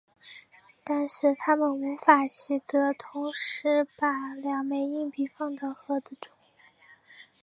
但是它们无法习得同时把两枚硬币放到盒子中。